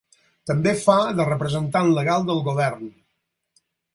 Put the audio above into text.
També fa de representant legal del govern.